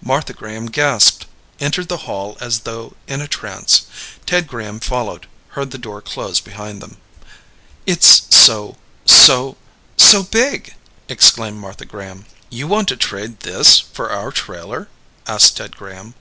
Martha Graham gasped, entered the hall as though in a trance. Ted Graham followed, heard the door close behind them. "It's so so so big," exclaimed Martha Graham. "You want to trade this for our trailer?" asked Ted Graham.